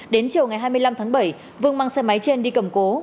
đến chiều ngày hai mươi năm tháng bảy vương mang xe máy trên đi cầm cố